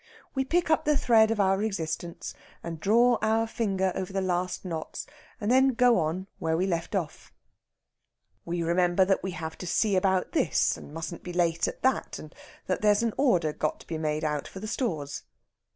We pick up the thread of our existence, and draw our finger over the last knots, and then go on where we left off. We remember that we have to see about this, and we mustn't be late at that, and that there's an order got to be made out for the stores.